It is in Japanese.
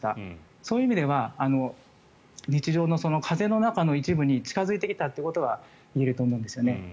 そういう意味では日常の風邪の中の一部に近付いてきたということは言えると思うんですよね。